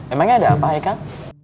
emangnya ada apa haikal